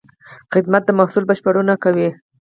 خدمت د محصول بشپړونه کوي.